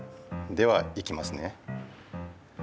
ではいきますね。